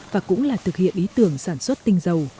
và cũng là thực hiện ý tưởng sản xuất tinh dầu